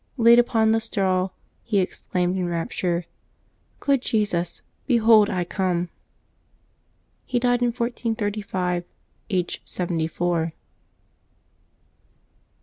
Laid upon the straw, he exclaimed in rapture, " Good Jesus, behold I come." He died in 1435, aged seventy four.